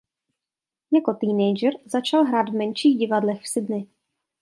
Jako teenager začal hrát v menších divadlech v Sydney.